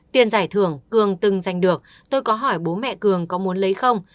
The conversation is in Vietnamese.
tiền giải thưởng cường từng giành được tôi có hỏi bố mẹ cường có muốn lấy không